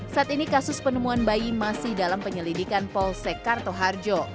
saat ini kasus penemuan bayi masih dalam penyelidikan polsekartoharjo